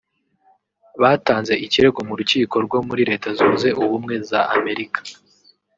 batanze ikirego mu rukiko rwo muri Leta Zunze ubumwe za Amerika